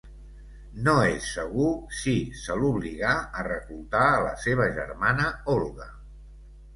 No és segur si se l'obligà a reclutar a la seva germana Olga.